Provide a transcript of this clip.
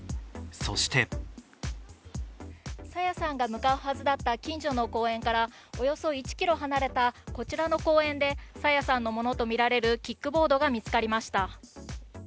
そして朝芽さんが向かうはずだった近所の公園からおよそ１ｋｍ離れたこちらの公園で朝芽さんのものと見られるキックボードが見つかりました。